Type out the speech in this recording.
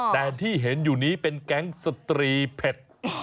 แต่ที่เห็นอยู่นี้เป็นแก๊งสตรีเผ็ด